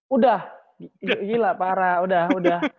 udah gila parah udah udah